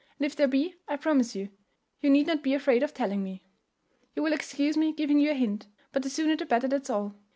And if there be, I promise you, you need not be afraid of telling it me. You will excuse me giving you a hint; but the sooner the better, that's all.